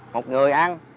một người ăn